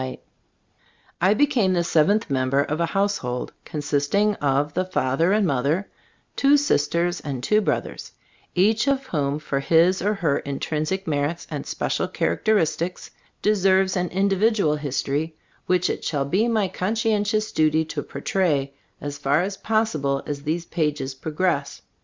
Zbc StotE ot itsy GbtK>boo& 17 I became the seventh member of a household consisting of the father and mother, two sisters and two brothers, each of whom for his and her intrinsic merits and special characteristics de serves an individual history, which it shall be my conscientious duty to por tray as far as possible as these pages progress.